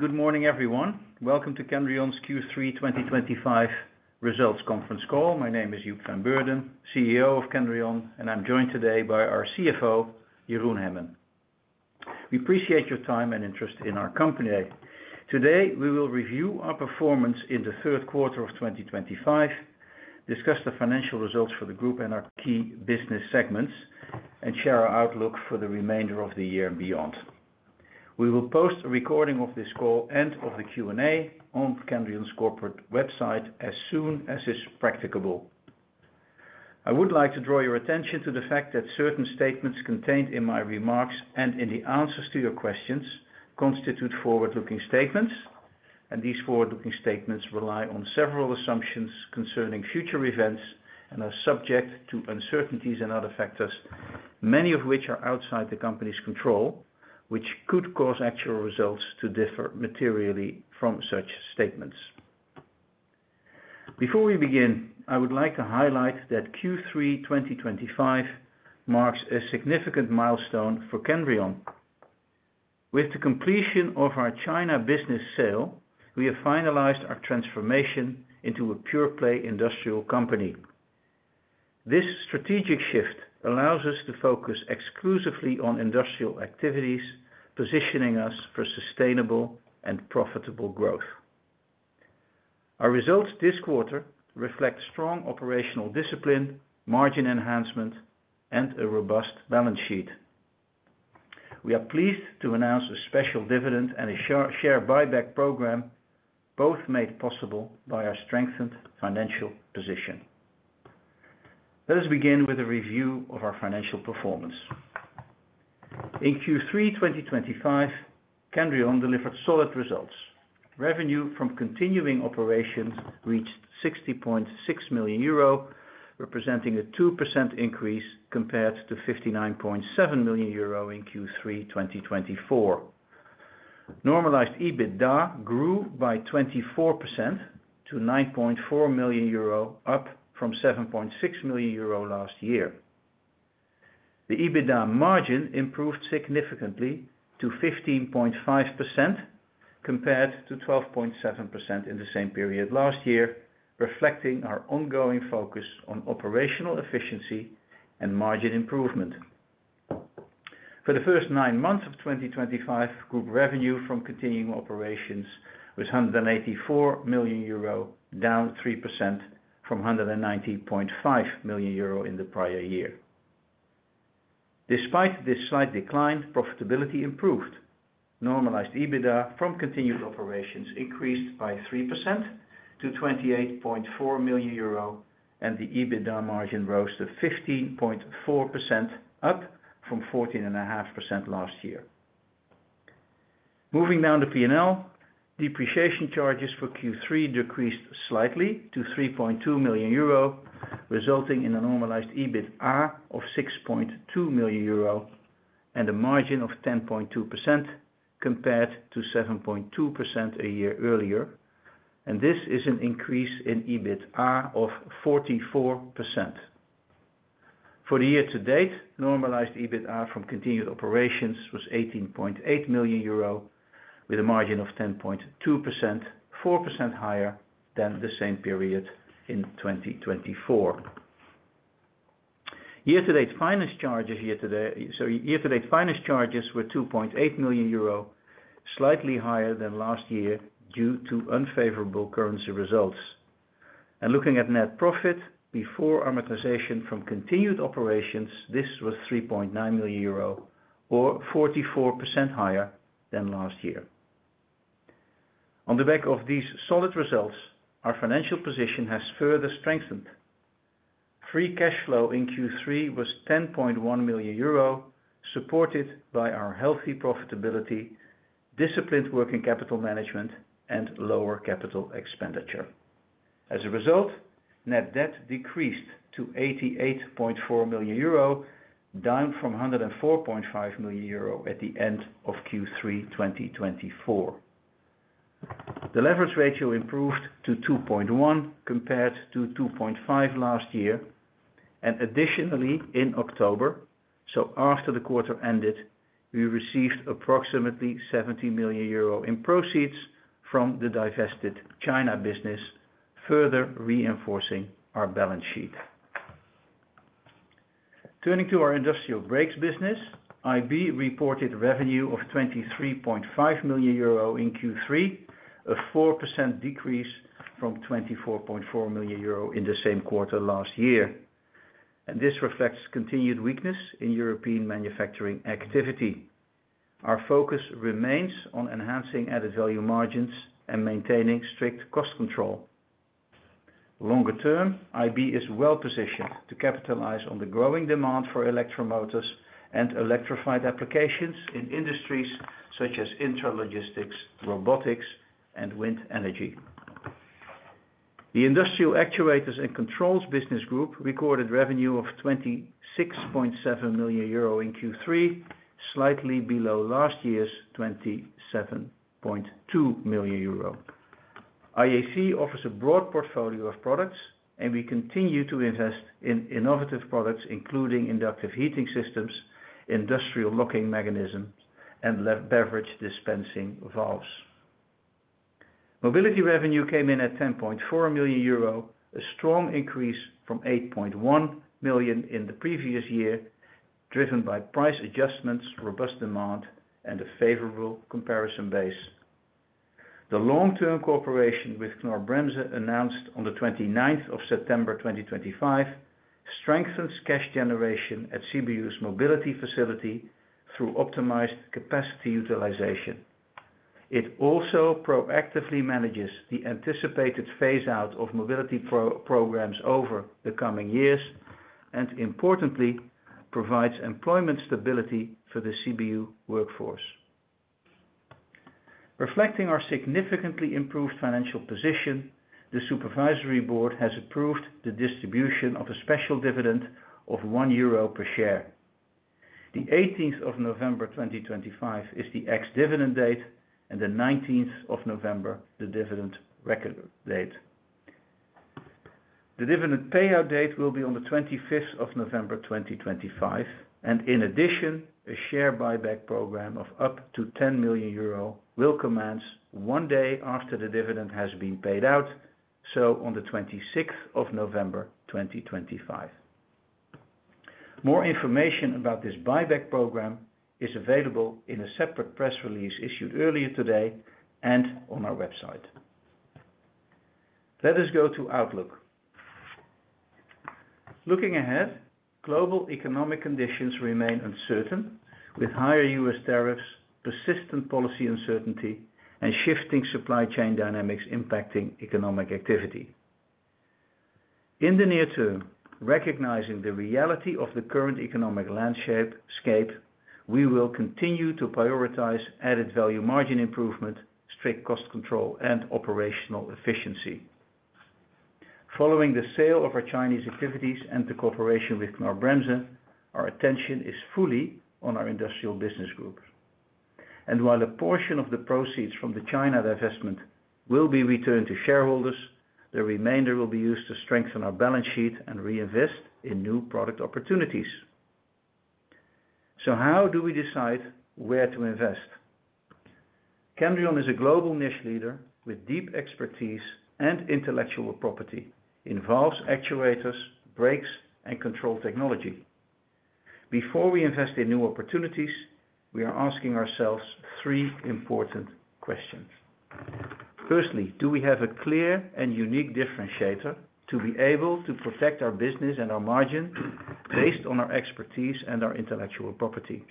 Good morning, everyone. Welcome to Kendrion's Q3 2025 Results Conference Call. My name is Joep van Beurden, CEO of Kendrion, and I'm joined today by our CFO, Jeroen Hemmen. We appreciate your time and interest in our company. Today, we will review our performance in the third quarter of 2025, discuss the financial results for the group and our key business segments, and share our outlook for the remainder of the year and beyond. We will post a recording of this call and of the Q&A on Kendrion's corporate website as soon as it's practicable. I would like to draw your attention to the fact that certain statements contained in my remarks and in the answers to your questions constitute forward-looking statements, and these forward-looking statements rely on several assumptions concerning future events and are subject to uncertainties and other factors, many of which are outside the company's control, which could cause actual results to differ materially from such statements. Before we begin, I would like to highlight that Q3 2025 marks a significant milestone for Kendrion. With the completion of our China business sale, we have finalized our transformation into a pure-play industrial company. This strategic shift allows us to focus exclusively on industrial activities, positioning us for sustainable and profitable growth. Our results this quarter reflect strong operational discipline, margin enhancement, and a robust balance sheet. We are pleased to announce a special dividend and a share buyback program, both made possible by our strengthened financial position. Let us begin with a review of our financial performance. In Q3 2025, Kendrion delivered solid results. Revenue from continuing operations reached 60.6 million euro, representing a 2% increase compared to 59.7 million euro in Q3 2024. Normalized EBITDA grew by 24% to 9.4 million euro, up from 7.6 million euro last year. The EBITDA margin improved significantly to 15.5% compared to 12.7% in the same period last year, reflecting our ongoing focus on operational efficiency and margin improvement. For the first nine months of 2025, group revenue from continuing operations was 184 million euro, down 3% from 190.5 million euro in the prior year. Despite this slight decline, profitability improved. Normalized EBITDA from continued operations increased by 3% to 28.4 million euro, and the EBITDA margin rose to 15.4%, up from 14.5% last year. Moving down the P&L, depreciation charges for Q3 decreased slightly to 3.2 million euro, resulting in a normalized EBITA of 6.2 million euro and a margin of 10.2% compared to 7.2% a year earlier, and this is an increase in EBITA of 44%. For the year to date, normalized EBITDA from continued operations was 18.8 million euro, with a margin of 10.2%, 4% higher than the same period in 2024. Year-to-date finance charges were 2.8 million euro, slightly higher than last year due to unfavorable currency results. Looking at net profit before amortization from continued operations, this was 3.9 million euro, or 44% higher than last year. On the back of these solid results, our financial position has further strengthened. Free cash flow in Q3 was 10.1 million euro, supported by our healthy profitability, disciplined working capital management, and lower capital expenditure. As a result, net debt decreased to 88.4 million euro, down from 104.5 million euro at the end of Q3 2024. The leverage ratio improved to 2.1 compared to 2.5 last year, and additionally, in October, so after the quarter ended, we received approximately 70 million euro in proceeds from the divested China business, further reinforcing our balance sheet. Turning to our industrial brakes business, IB reported revenue of 23.5 million euro in Q3, a 4% decrease from 24.4 million euro in the same quarter last year, and this reflects continued weakness in European manufacturing activity. Our focus remains on enhancing added value margins and maintaining strict cost control. Longer term, IB is well positioned to capitalize on the growing demand for electric motors and electrified applications in industries such as intralogistics, robotics, and wind energy. The industrial actuators and controls business group recorded revenue of 26.7 million euro in Q3, slightly below last year's 27.2 million euro. IAC offers a broad portfolio of products, and we continue to invest in innovative products, including inductive heating systems, industrial locking mechanisms, and beverage dispensing valves. Mobility revenue came in at 10.4 million euro, a strong increase from 8.1 million in the previous year, driven by price adjustments, robust demand, and a favorable comparison base. The long-term cooperation with Knorr-Bremse announced on the 29th of September 2025 strengthens cash generation at Sibiu's mobility facility through optimized capacity utilization. It also proactively manages the anticipated phase-out of mobility programs over the coming years and, importantly, provides employment stability for the Sibiu workforce. Reflecting our significantly improved financial position, the Supervisory Board has approved the distribution of a special dividend of 1 euro per share. The 18th of November 2025 is the ex-dividend date, and the 19th of November the dividend record date. The dividend payout date will be on the 25th of November 2025, and in addition, a share buyback program of up to 10 million euro will commence one day after the dividend has been paid out, so on the 26th of November 2025. More information about this buyback program is available in a separate press release issued earlier today and on our website. Let us go to Outlook. Looking ahead, global economic conditions remain uncertain, with higher U.S. tariffs, persistent policy uncertainty, and shifting supply chain dynamics impacting economic activity. In the near term, recognizing the reality of the current economic landscape, we will continue to prioritize added value margin improvement, strict cost control, and operational efficiency. Following the sale of our Chinese activities and the cooperation with Knorr-Bremse, our attention is fully on our industrial business group. While a portion of the proceeds from the China divestment will be returned to shareholders, the remainder will be used to strengthen our balance sheet and reinvest in new product opportunities. How do we decide where to invest? Kendrion is a global niche leader with deep expertise and intellectual property, involves actuators, brakes, and control technology. Before we invest in new opportunities, we are asking ourselves three important questions. Firstly, do we have a clear and unique differentiator to be able to protect our business and our margin based on our expertise and our intellectual property?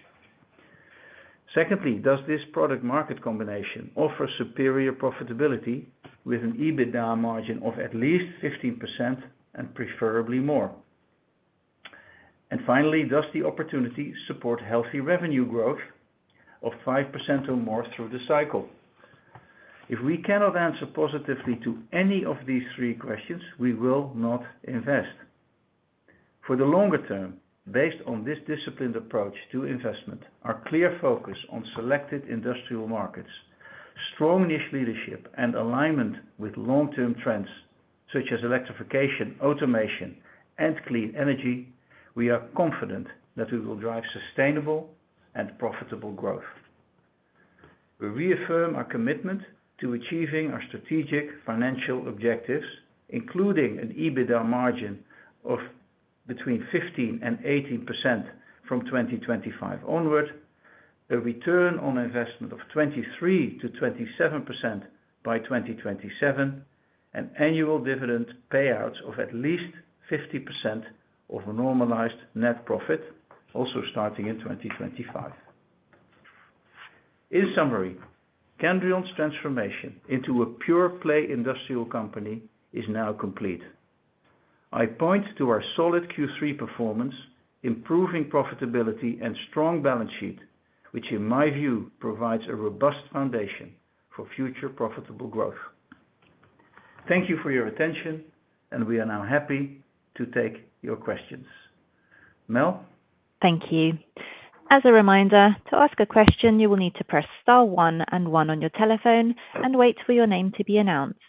Secondly, does this product-market combination offer superior profitability with an EBITDA margin of at least 15% and preferably more? Finally, does the opportunity support healthy revenue growth of 5% or more through the cycle? If we cannot answer positively to any of these three questions, we will not invest. For the longer term, based on this disciplined approach to investment, our clear focus on selected industrial markets, strong niche leadership, and alignment with long-term trends such as electrification, automation, and clean energy, we are confident that we will drive sustainable and profitable growth. We reaffirm our commitment to achieving our strategic financial objectives, including an EBITDA margin of between 15%-18% from 2025 onward, a return on investment of 23%-27% by 2027, and annual dividend payouts of at least 50% of a normalized net profit, also starting in 2025. In summary, Kendrion's transformation into a pure-play industrial company is now complete. I point to our solid Q3 performance, improving profitability, and strong balance sheet, which, in my view, provides a robust foundation for future profitable growth. Thank you for your attention, and we are now happy to take your questions. Mel? Thank you. As a reminder, to ask a question, you will need to press star one and one on your telephone and wait for your name to be announced.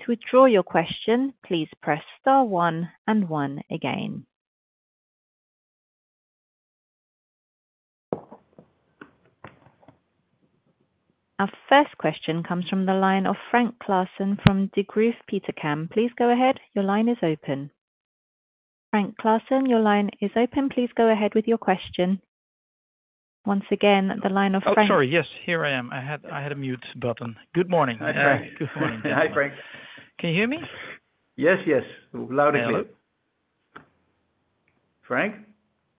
To withdraw your question, please press star one and one again. Our first question comes from the line of Frank Classen from Degroof Petercam. Please go ahead. Your line is open. Frank Classen, your line is open. Please go ahead with your question. Once again, the line of Frank. Oh, sorry. Yes, here I am. I had a mute button. Good morning. Hi, Frank. Hi, Frank. Can you hear me? Yes, yes. Loud and clear. Hello. Frank?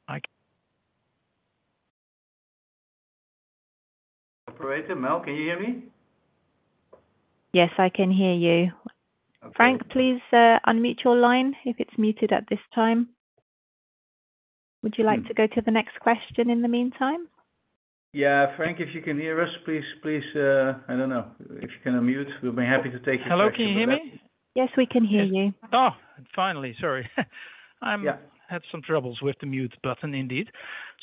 I can. Operator, Mel, can you hear me? Yes, I can hear you. Frank, please unmute your line if it's muted at this time. Would you like to go to the next question in the meantime? Yeah. Frank, if you can hear us, please, please, I don't know, if you can unmute, we'll be happy to take your question. Hello. Can you hear me? Yes, we can hear you. Oh, finally. Sorry. I had some troubles with the mute button indeed.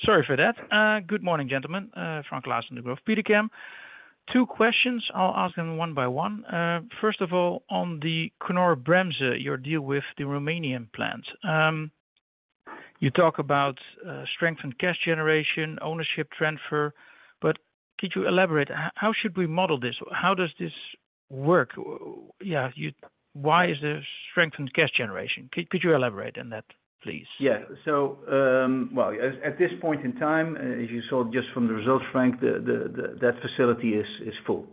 Sorry for that. Good morning, gentlemen. Frank Classen of Degroof Petercam. Two questions. I'll ask them one by one. First of all, on the Knorr-Bremse, your deal with the Romanian plant. You talk about strengthened cash generation, ownership transfer, but could you elaborate? How should we model this? How does this work? Yeah. Why is there strengthened cash generation? Could you elaborate on that, please? Yeah. At this point in time, as you saw just from the results, Frank, that facility is full.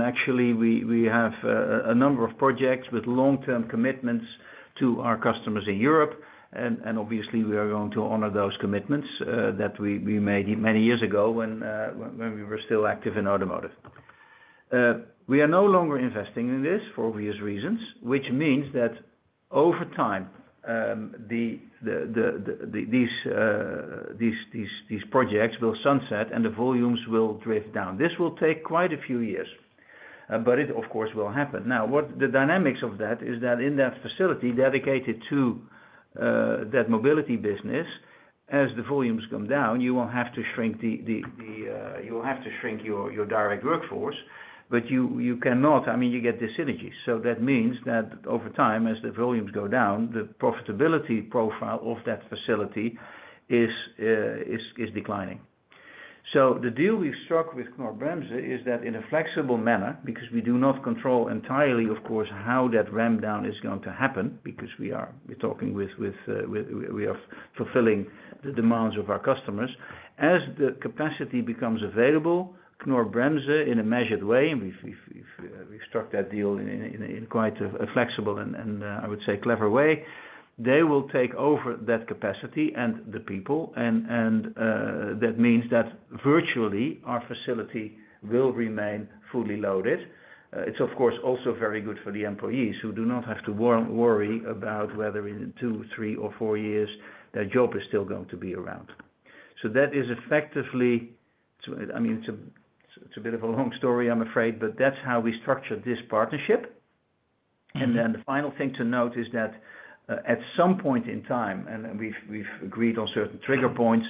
Actually, we have a number of projects with long-term commitments to our customers in Europe, and obviously, we are going to honor those commitments that we made many years ago when we were still active in automotive. We are no longer investing in this for obvious reasons, which means that over time, these projects will sunset and the volumes will drift down. This will take quite a few years, but it, of course, will happen. Now, the dynamics of that is that in that facility dedicated to that mobility business, as the volumes come down, you will have to shrink your direct workforce, but you cannot, I mean, you get the synergy. That means that over time, as the volumes go down, the profitability profile of that facility is declining. The deal we have struck with Knorr-Bremse is that in a flexible manner, because we do not control entirely, of course, how that ramp down is going to happen, because we are talking with, we are fulfilling the demands of our customers. As the capacity becomes available, Knorr-Bremse, in a measured way, and we have struck that deal in quite a flexible and, I would say, clever way, they will take over that capacity and the people, and that means that virtually our facility will remain fully loaded. It is, of course, also very good for the employees who do not have to worry about whether in two, three, or four years, their job is still going to be around. That is effectively, I mean, it's a bit of a long story, I'm afraid, but that's how we structure this partnership. The final thing to note is that at some point in time, and we've agreed on certain trigger points,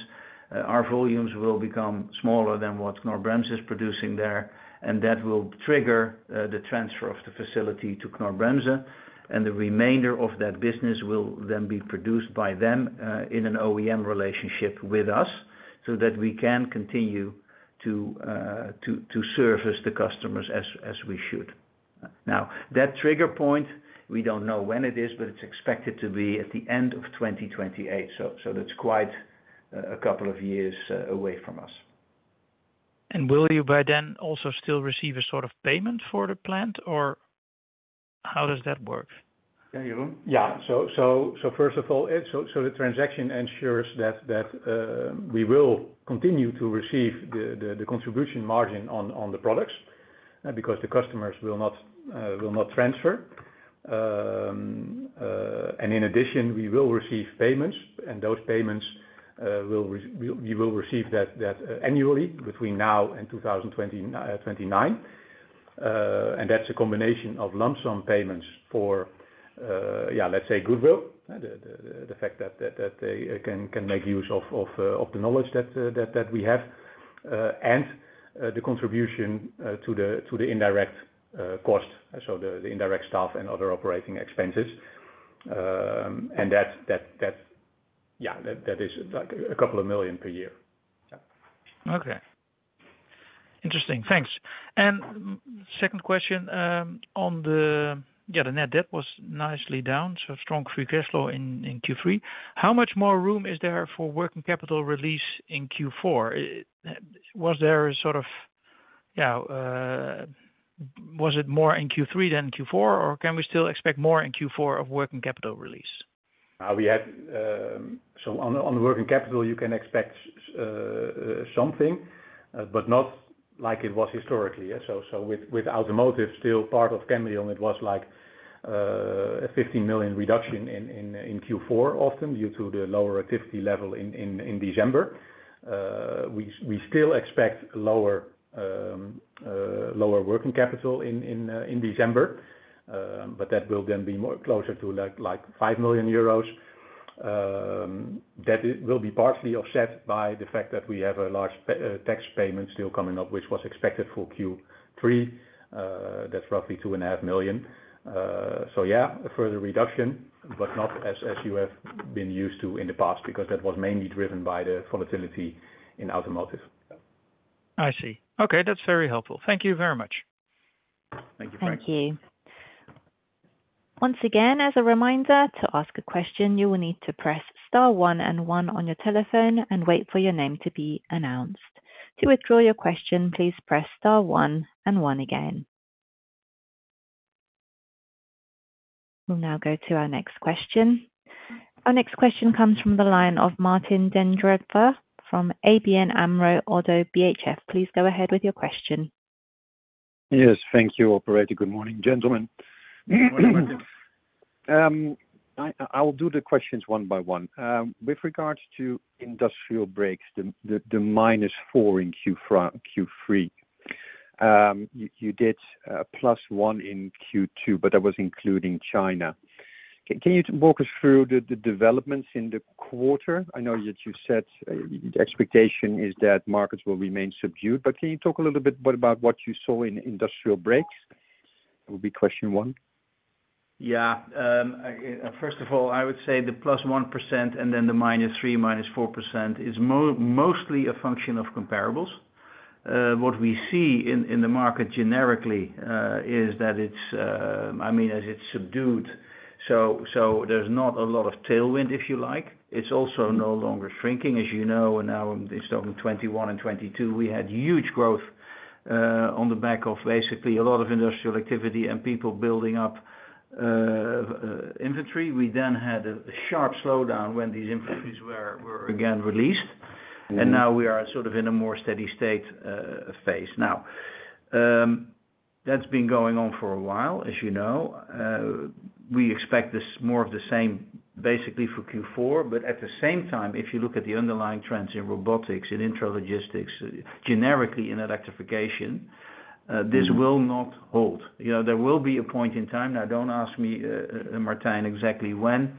our volumes will become smaller than what Knorr-Bremse is producing there, and that will trigger the transfer of the facility to Knorr-Bremse, and the remainder of that business will then be produced by them in an OEM relationship with us so that we can continue to service the customers as we should. That trigger point, we don't know when it is, but it's expected to be at the end of 2028. That is quite a couple of years away from us. Will you by then also still receive a sort of payment for the plant, or how does that work? Yeah, Jeroen? Yeah. First of all, the transaction ensures that we will continue to receive the contribution margin on the products because the customers will not transfer. In addition, we will receive payments, and those payments, we will receive that annually between now and 2029. That is a combination of lump sum payments for, yeah, let's say, goodwill, the fact that they can make use of the knowledge that we have, and the contribution to the indirect cost, so the indirect staff and other operating expenses. That is a couple of million per year. Yeah. Okay. Interesting. Thanks. Second question on the, yeah, the net debt was nicely down, so strong free cash flow in Q3. How much more room is there for working capital release in Q4? Was there a sort of, yeah, was it more in Q3 than Q4, or can we still expect more in Q4 of working capital release? We had, so on the working capital, you can expect something, but not like it was historically. With automotive still part of Kendrion, it was like a 15 million reduction in Q4, often due to the lower activity level in December. We still expect lower working capital in December, but that will then be closer to like 5 million euros. That will be partially offset by the fact that we have a large tax payment still coming up, which was expected for Q3. That is roughly 2.5 million. Yeah, a further reduction, but not as you have been used to in the past because that was mainly driven by the volatility in automotive. I see. Okay. That's very helpful. Thank you very much. Thank you, Frank. Thank you. Once again, as a reminder, to ask a question, you will need to press star one and one on your telephone and wait for your name to be announced. To withdraw your question, please press Star 1 and 1 again. We'll now go to our next question. Our next question comes from the line of Martijn den Drijver from ABN AMRO. Please go ahead with your question. Yes. Thank you, Operator. Good morning, gentlemen. Good morning, Martin. I'll do the questions one by one. With regards to industrial brakes, the minus four in Q3, you did plus one in Q2, but that was including China. Can you walk us through the developments in the quarter? I know that you said the expectation is that markets will remain subdued, but can you talk a little bit about what you saw in industrial brakes? That would be question one. Yeah. First of all, I would say the plus 1% and then the minus 3%, minus 4% is mostly a function of comparables. What we see in the market generically is that it's, I mean, as it's subdued, so there's not a lot of tailwind, if you like. It's also no longer shrinking, as you know. In 2021 and 2022, we had huge growth on the back of basically a lot of industrial activity and people building up inventory. We then had a sharp slowdown when these inventories were again released, and now we are sort of in a more steady state phase. That's been going on for a while, as you know. We expect more of the same, basically, for Q4, but at the same time, if you look at the underlying trends in robotics, in intralogistics, generically in electrification, this will not hold. There will be a point in time. Now, don't ask me, Martin, exactly when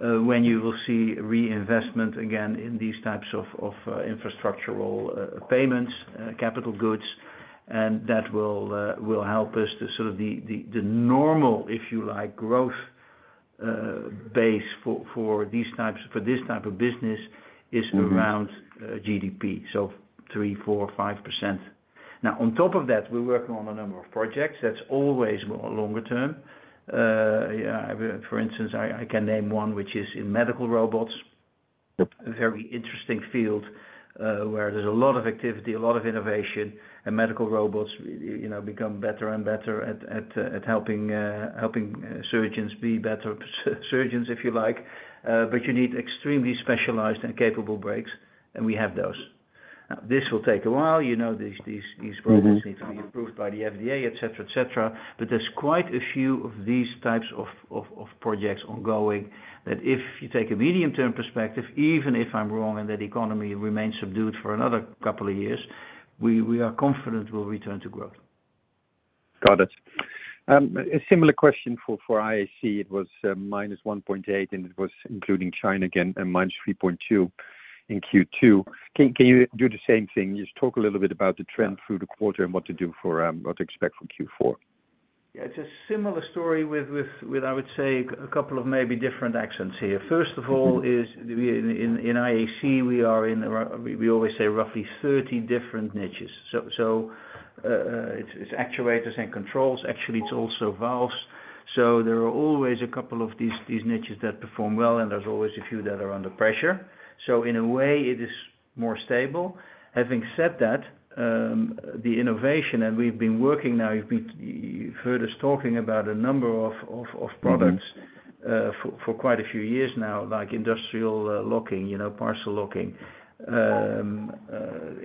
you will see reinvestment again in these types of infrastructural payments, capital goods, and that will help us to sort of the normal, if you like, growth base for this type of business is around GDP, so 3%, 4%, 5%. Now, on top of that, we're working on a number of projects. That's always more longer term. For instance, I can name one, which is in medical robots, a very interesting field where there's a lot of activity, a lot of innovation, and medical robots become better and better at helping surgeons be better surgeons, if you like. But you need extremely specialized and capable brakes, and we have those. Now, this will take a while. You know these robots need to be approved by the FDA, etc., etc. There are quite a few of these types of projects ongoing that if you take a medium-term perspective, even if I'm wrong and the economy remains subdued for another couple of years, we are confident we'll return to growth. Got it. A similar question for IAC. It was minus 1.8, and it was including China again, and minus 3.2 in Q2. Can you do the same thing? Just talk a little bit about the trend through the quarter and what to do for what to expect for Q4. Yeah. It's a similar story with, I would say, a couple of maybe different accents here. First of all, in IAC, we are in, we always say, roughly 30 different niches. So it's actuators and controls. Actually, it's also valves. So there are always a couple of these niches that perform well, and there's always a few that are under pressure. In a way, it is more stable. Having said that, the innovation, and we've been working now. You've heard us talking about a number of products for quite a few years now, like industrial locking, parcel locking,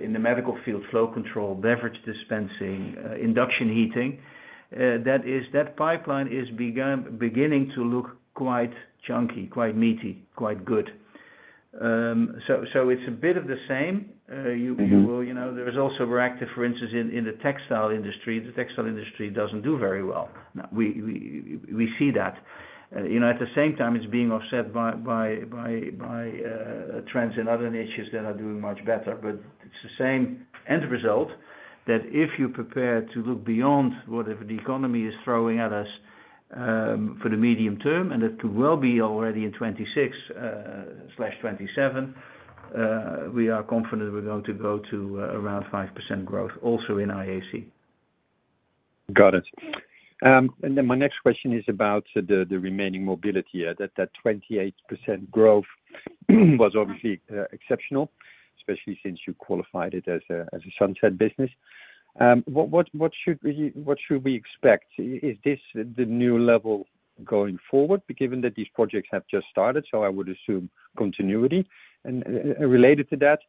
in the medical field, flow control, beverage dispensing, induction heating. That pipeline is beginning to look quite chunky, quite meaty, quite good. It's a bit of the same. There is also reactive, for instance, in the textile industry. The textile industry doesn't do very well. Now, we see that. At the same time, it's being offset by trends in other niches that are doing much better, but it's the same end result that if you prepare to look beyond whatever the economy is throwing at us for the medium term, and that could well be already in 2026-2027, we are confident we're going to go to around 5% growth also in IAC. Got it. My next question is about the remaining mobility. That 28% growth was obviously exceptional, especially since you qualified it as a sunset business. What should we expect? Is this the new level going forward, given that these projects have just started? I would assume continuity. Related to that,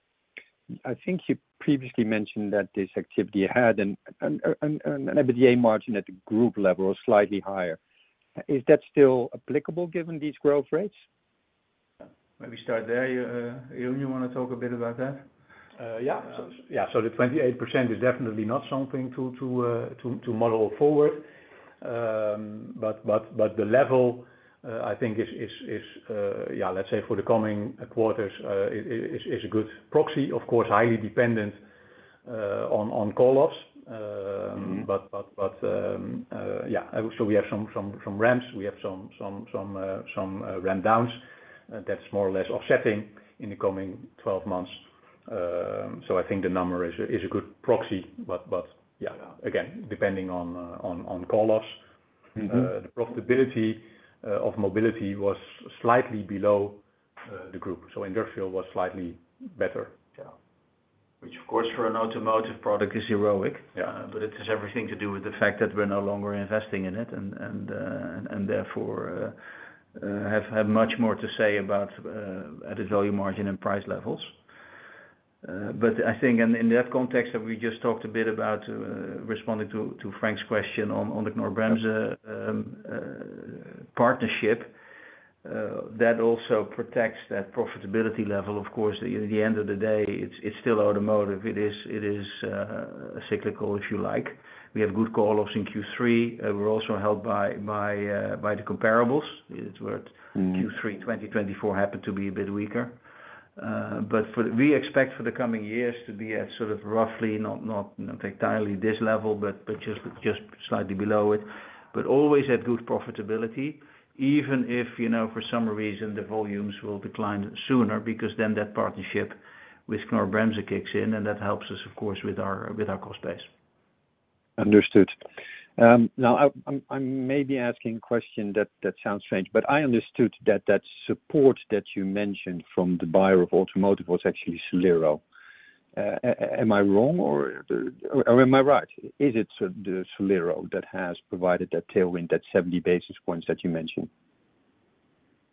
I think you previously mentioned that this activity had an EBITDA margin at the group level slightly higher. Is that still applicable given these growth rates? Maybe start there. Jeroen, you want to talk a bit about that? Yeah. Yeah. The 28% is definitely not something to model forward, but the level, I think, is, yeah, let's say for the coming quarters, is a good proxy. Of course, highly dependent on call-offs, but yeah. We have some ramps. We have some ramp-downs. That is more or less offsetting in the coming 12 months. I think the number is a good proxy, but yeah, again, depending on call-offs. The profitability of mobility was slightly below the group. Industrial was slightly better. Yeah. Which, of course, for an automotive product is heroic, but it has everything to do with the fact that we're no longer investing in it and therefore have much more to say about added value margin and price levels. I think, and in that context that we just talked a bit about responding to Frank's question on the Knorr-Bremse partnership, that also protects that profitability level. Of course, at the end of the day, it's still automotive. It is cyclical, if you like. We have good call-offs in Q3. We're also helped by the comparables. It's where Q3 2024 happened to be a bit weaker. We expect for the coming years to be at sort of roughly not entirely this level, but just slightly below it, but always at good profitability, even if for some reason the volumes will decline sooner because then that partnership with Knorr-Bremse kicks in, and that helps us, of course, with our cost base. Understood. Now, I may be asking a question that sounds strange, but I understood that that support that you mentioned from the buyer of automotive was actually Solero. Am I wrong, or am I right? Is it Solero that has provided that tailwind, that 70 basis points that you mentioned?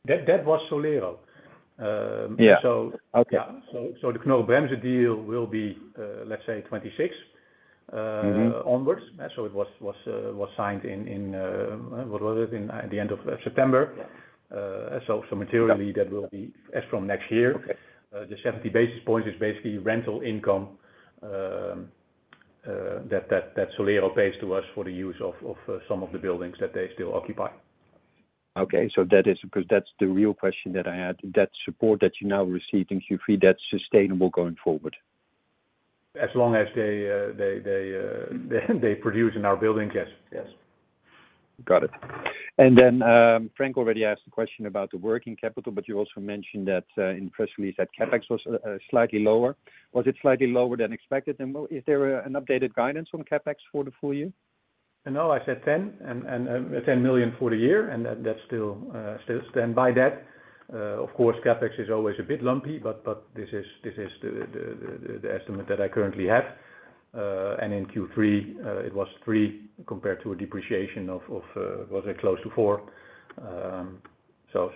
That was Solero. The Knorr-Bremse deal will be, let's say, 2026 onwards. It was signed in, what was it, at the end of September. Materially, that will be as from next year. The 70 basis points is basically rental income that Solero pays to us for the use of some of the buildings that they still occupy. Okay. That is because that's the real question that I had. That support that you now receive in Q3, that's sustainable going forward? As long as they produce in our buildings, yes. Yes. Got it. Frank already asked the question about the working capital, but you also mentioned that in the press release that CapEx was slightly lower. Was it slightly lower than expected? Is there an updated guidance on CapEx for the full year? No, I said 10, and 10 million for the year, and I still stand by that. Of course, CapEx is always a bit lumpy, but this is the estimate that I currently have. In Q3, it was 3 million compared to a depreciation of, was it close to 4 million?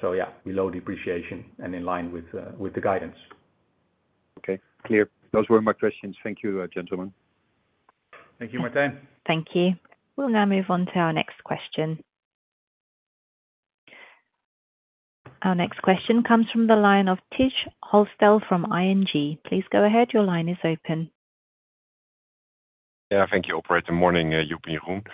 Yeah, below depreciation and in line with the guidance. Okay. Clear. Those were my questions. Thank you, gentlemen. Thank you, Martin. Thank you. We'll now move on to our next question. Our next question comes from the line of Tijs Hollestelle from ING. Please go ahead. Your line is open. Yeah. Thank you, Operator. Morning, Jeroen.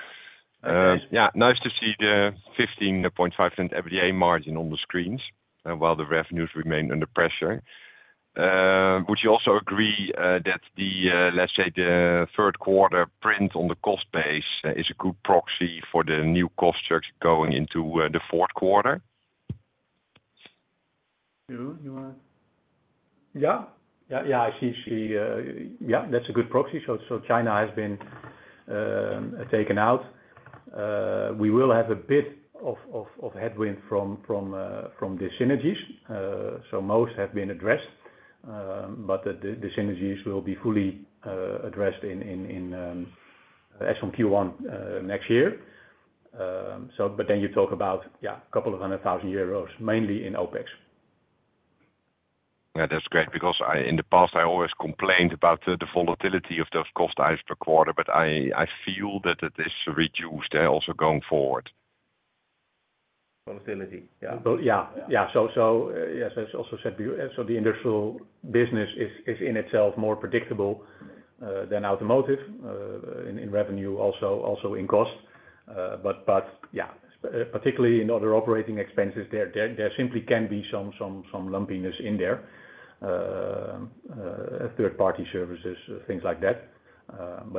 Yeah. Nice to see the 15.5% EBITDA margin on the screens while the revenues remain under pressure. Would you also agree that the, let's say, the third quarter print on the cost base is a good proxy for the new cost structure going into the fourth quarter? Jeroen, you want to? Yeah. Yeah. Yeah. I see. Yeah. That's a good proxy. China has been taken out. We will have a bit of headwind from the synergies. Most have been addressed, but the synergies will be fully addressed as from Q1 next year. You talk about a couple of hundred thousand EUR, mainly in OpEx. Yeah. That's great because in the past, I always complained about the volatility of those costs as per quarter, but I feel that it is reduced also going forward. Volatility. Yeah. So the industrial business is in itself more predictable than automotive in revenue, also in cost. Particularly in other operating expenses, there simply can be some lumpiness in there, third-party services, things like that.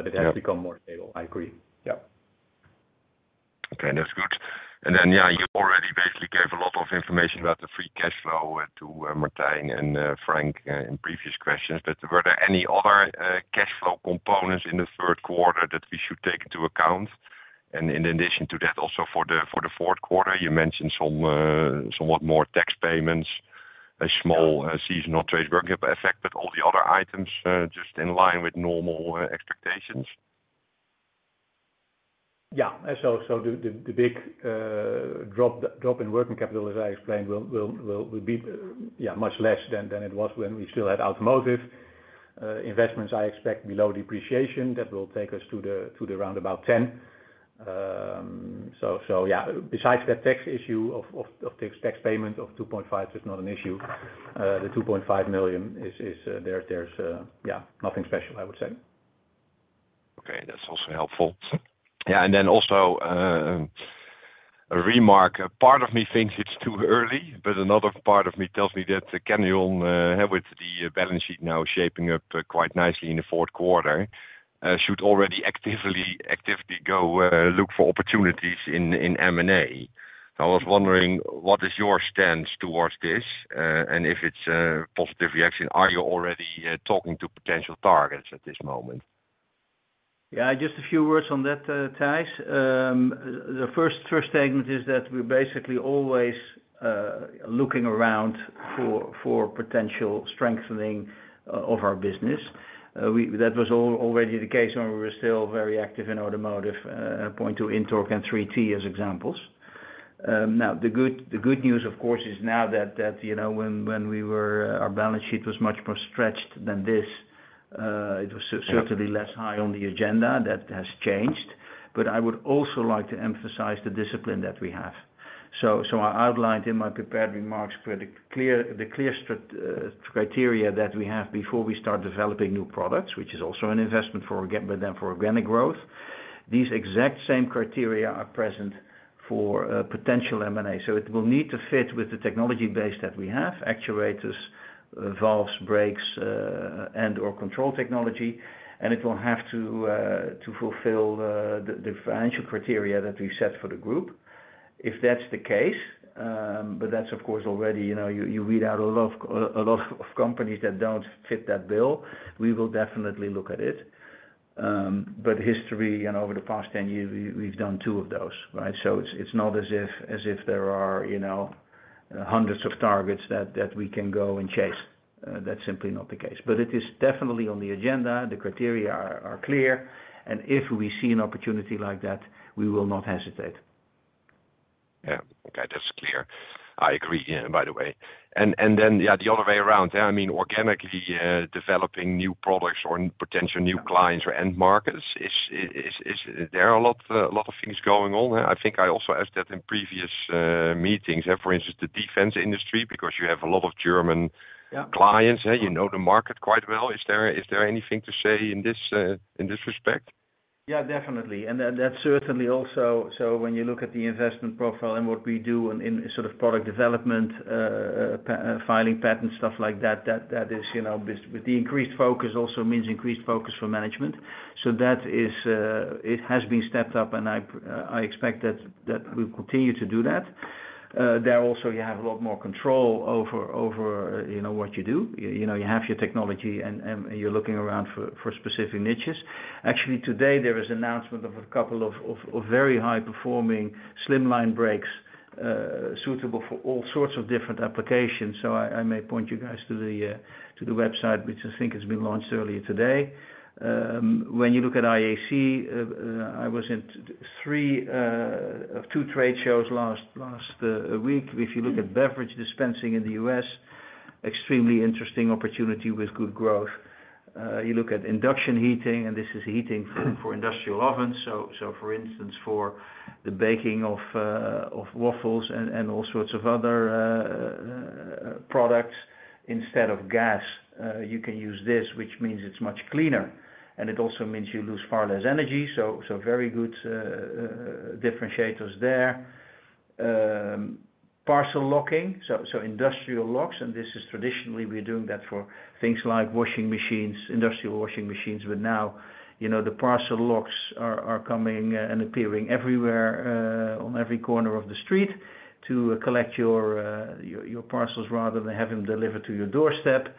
It has become more stable. I agree. Yeah. Okay. That's good. Yeah, you already basically gave a lot of information about the free cash flow to Martin and Frank in previous questions, but were there any other cash flow components in the third quarter that we should take into account? In addition to that, also for the fourth quarter, you mentioned somewhat more tax payments, a small seasonal trade work effect, but all the other items just in line with normal expectations? Yeah. The big drop in working capital, as I explained, will be much less than it was when we still had automotive investments. I expect below depreciation. That will take us to around 10 million. Besides that tax issue of tax payment of 2.5 million, that's not an issue. The 2.5 million, there's nothing special, I would say. Okay. That's also helpful. Yeah. Also a remark. Part of me thinks it's too early, but another part of me tells me that Kendrion, with the balance sheet now shaping up quite nicely in the fourth quarter, should already actively go look for opportunities in M&A. I was wondering, what is your stance towards this? If it's a positive reaction, are you already talking to potential targets at this moment? Yeah. Just a few words on that, Tijs. The first statement is that we're basically always looking around for potential strengthening of our business. That was already the case when we were still very active in automotive, point to INTORQ and 3T as examples. Now, the good news, of course, is now that when our balance sheet was much more stretched than this, it was certainly less high on the agenda. That has changed. I would also like to emphasize the discipline that we have. I outlined in my prepared remarks the clear criteria that we have before we start developing new products, which is also an investment for organic growth. These exact same criteria are present for potential M&A. It will need to fit with the technology base that we have: actuators, valves, brakes, and/or control technology. It will have to fulfill the financial criteria that we've set for the group. If that's the case, of course, already you read out a lot of companies that do not fit that bill. We will definitely look at it. History, and over the past 10 years, we've done two of those, right? It is not as if there are hundreds of targets that we can go and chase. That is simply not the case. It is definitely on the agenda. The criteria are clear. If we see an opportunity like that, we will not hesitate. Yeah. Okay. That's clear. I agree, by the way. And then, yeah, the other way around. I mean, organically developing new products or potential new clients or end markets, there are a lot of things going on. I think I also asked that in previous meetings. For instance, the defense industry, because you have a lot of German clients, you know the market quite well. Is there anything to say in this respect? Yeah, definitely. That's certainly also so when you look at the investment profile and what we do in sort of product development, filing patents, stuff like that, that is with the increased focus also means increased focus for management. That has been stepped up, and I expect that we'll continue to do that. There also, you have a lot more control over what you do. You have your technology, and you're looking around for specific niches. Actually, today, there was an announcement of a couple of very high-performing slimline brakes suitable for all sorts of different applications. I may point you guys to the website, which I think has been launched earlier today. When you look at IAC, I was in three or two trade shows last week. If you look at beverage dispensing in the U.S., extremely interesting opportunity with good growth. You look at induction heating, and this is heating for industrial ovens. For instance, for the baking of waffles and all sorts of other products, instead of gas, you can use this, which means it is much cleaner. It also means you lose far less energy. Very good differentiators there. Parcel locking, so industrial locks. This is traditionally, we are doing that for things like washing machines, industrial washing machines. Now the parcel locks are coming and appearing everywhere on every corner of the street to collect your parcels rather than have them delivered to your doorstep.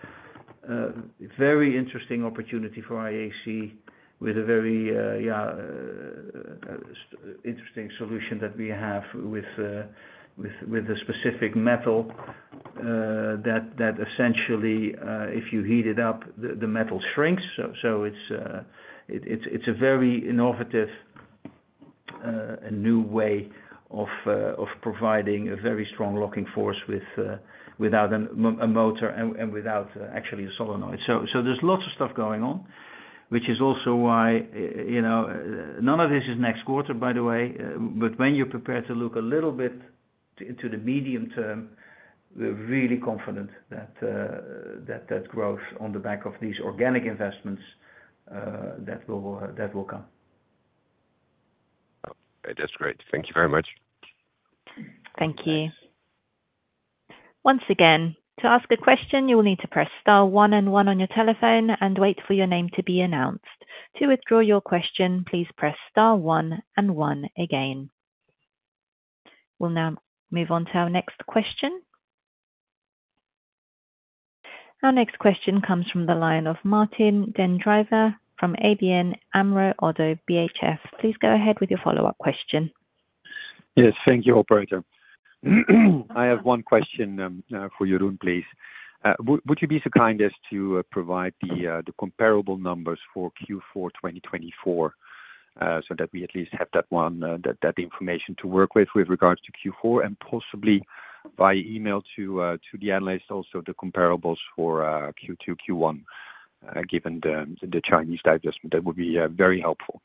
Very interesting opportunity for IAC with a very, yeah, interesting solution that we have with a specific metal that essentially, if you heat it up, the metal shrinks. It is a very innovative and new way of providing a very strong locking force without a motor and without actually a solenoid. There is lots of stuff going on, which is also why none of this is next quarter, by the way. When you are prepared to look a little bit into the medium term, we are really confident that that growth on the back of these organic investments will come. Okay. That's great. Thank you very much. Thank you. Once again, to ask a question, you will need to press star one and one on your telephone and wait for your name to be announced. To withdraw your question, please press star one and one again. We'll now move on to our next question. Our next question comes from the line of Martijn den Drijver from ABN AMRO. Please go ahead with your follow-up question. Yes. Thank you, Operator. I have one question for Jeroen, please. Would you be so kind as to provide the comparable numbers for Q4 2024 so that we at least have that information to work with with regards to Q4 and possibly by email to the analyst also the comparables for Q2, Q1 given the Chinese divestment? That would be very helpful.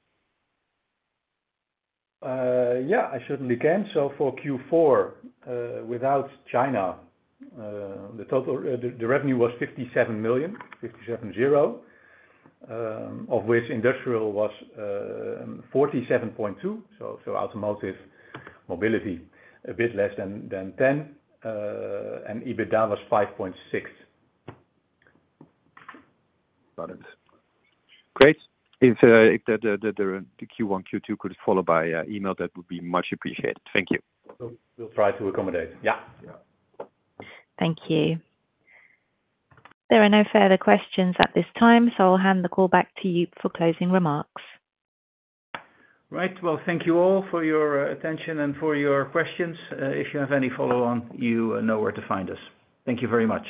Yeah. I certainly can. For Q4, without China, the revenue was 57 million, five seven zero, of which industrial was 47.2 million. Automotive, mobility, a bit less than 10, and EBITDA was 5.6 million. Got it. Great. If the Q1, Q2 could follow by email, that would be much appreciated. Thank you. We'll try to accommodate. Yeah. Thank you. There are no further questions at this time, so I'll hand the call back to you for closing remarks. Right. Thank you all for your attention and for your questions. If you have any follow-on, you know where to find us. Thank you very much.